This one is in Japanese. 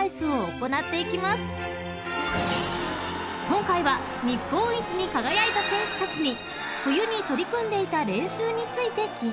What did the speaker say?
［今回は日本一に輝いた選手たちに冬に取り組んでいた練習について聞いたよ］